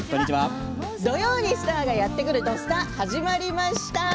土曜にスターがやって来る「土スタ」始まりました。